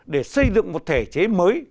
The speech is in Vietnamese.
để xây dựng một thể chế mới